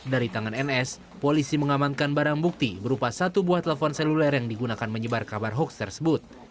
dari tangan ns polisi mengamankan barang bukti berupa satu buah telepon seluler yang digunakan menyebar kabar hoax tersebut